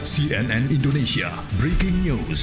cnn indonesia breaking news